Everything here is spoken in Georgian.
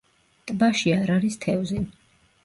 ტბაში არ არის თევზი.